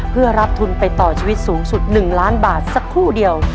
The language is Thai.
เพื่อรับทุนไปต่อชีวิตสูงสุด๑ล้านบาทสักครู่เดียว